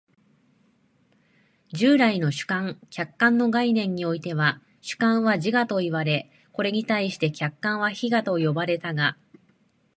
従来の主観・客観の概念においては、主観は自我といわれ、これに対して客観は非我と呼ばれたが、